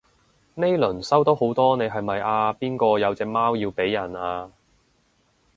呢輪收到好多你係咪阿邊個有隻貓要俾人啊？